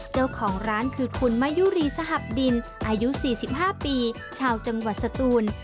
เจ้าของร้านคือคุณมะยุรีสหับดินอายุ๔๕ปีชาวจังหวัดสตูน